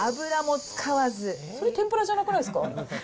それ、天ぷらじゃなくないですか？